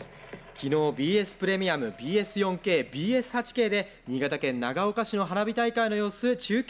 昨日ＢＳプレミアムＢＳ４ＫＢＳ８Ｋで新潟県長岡市の花火大会の様子中継でお伝えしました。